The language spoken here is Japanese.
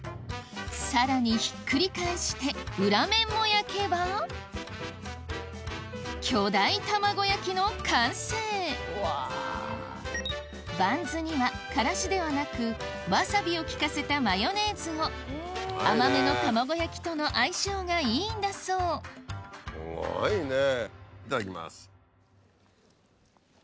さらにひっくり返して裏面も焼けば巨大卵焼きの完成バンズにはカラシではなくわさびをきかせたマヨネーズを甘めの卵焼きとの相性がいいんだそうすごいねいただきます。